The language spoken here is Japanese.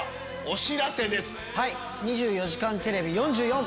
『２４時間テレビ４４』。